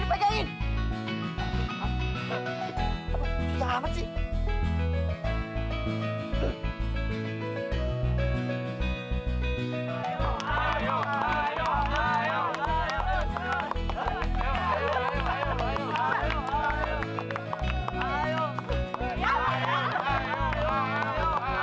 hai hai hai satuannya